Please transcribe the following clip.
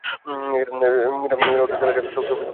মীরা উঠে চলে যান, তবে হাসতে-হাসতে যান।